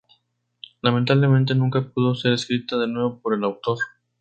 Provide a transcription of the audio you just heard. Lamentablemente nunca pudo ser escrita de nuevo por el autor.